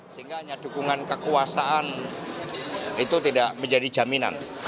sehingga hanya dukungan kekuasaan itu tidak menjadi jaminan